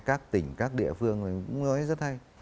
các tỉnh các địa phương cũng nói rất hay